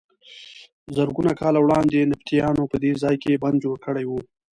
زرګونه کاله وړاندې نبطیانو په دې ځای کې بند جوړ کړی و.